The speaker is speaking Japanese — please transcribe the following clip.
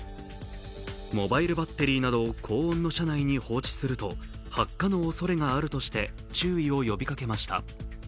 モバイルバッテリーなど高温の車内に放置すると発火のおそれがあるとして注意を呼びかけました。